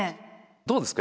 どうですか？